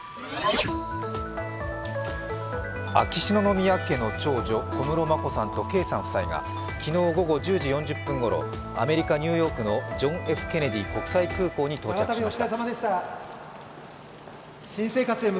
秋篠宮家の長女・小室眞子さんと圭さん夫妻が昨日、午後１０時４０分ごろアメリカ・ニューヨークジョン・Ｆ・ケネディ空港に到着しました。